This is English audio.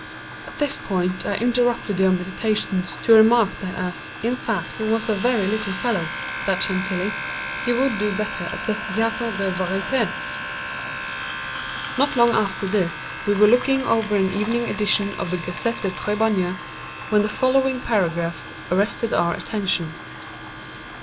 At this point I interrupted your meditations to remark that as, in fact, he was a very little fellow—that Chantilly—he would do better at the Théâtre des Variétés." Not long after this, we were looking over an evening edition of the "Gazette des Tribunaux," when the following paragraphs arrested our attention.